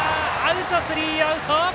スリーアウト！